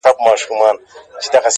• زارۍ ـ